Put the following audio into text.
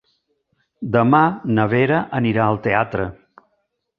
Demà na Vera anirà al teatre.